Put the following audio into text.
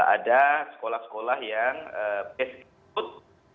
ada sekolah sekolah yang best input